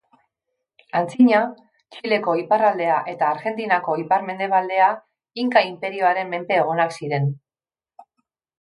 Antzina Txileko iparraldea eta Argentinako ipar-mendebaldea Inka inperioaren menpe egonak ziren.